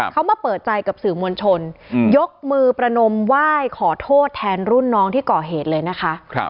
เขามาเปิดใจกับสื่อมวลชนยกมือประนมไหว้ขอโทษแทนรุ่นน้องที่ก่อเหตุเลยนะคะ